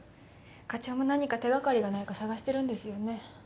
課長も何か手掛かりがないか探してるんですよね。